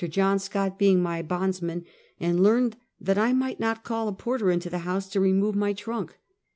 John Scott being my bondsman, and learned that I might not call a porter into the house to remove my trunk.